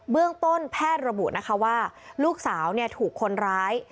เรื่องต้นแพทย์ระบุนะคะว่าลูกสาวถูกคนร้าย